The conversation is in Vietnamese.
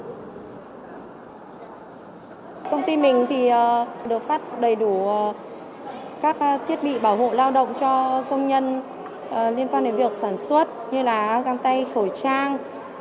công ty mình thì được phát đầy đủ các thiết bị bảo hộ lao động cho công nhân liên quan đến việc sản xuất như là găng tay khẩu trang